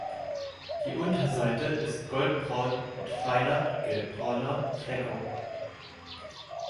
Die Unterseite ist goldbraun mit feiner gelbbrauner Fleckung.